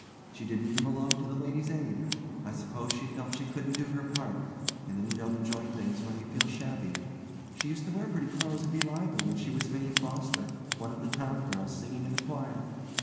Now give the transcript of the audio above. She didn't even belong to the Ladies Aid. I suppose she felt she couldn't do her part, and then you don't enjoy things when you feel shabby. She used to wear pretty clothes and be lively, when she was Minnie Foster, one of the town girls singing in the choir.